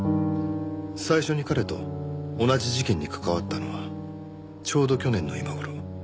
最初に彼と同じ事件に関わったのはちょうど去年の今頃